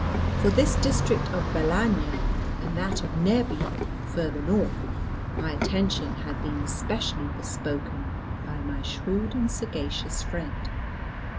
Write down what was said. For this district of Balagna, and that of Nebbio further north, my attention had been especially bespoken by my shrewd and sagacious friend.